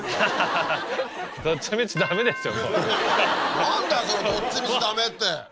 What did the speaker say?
何だよそのどっちみちダメって。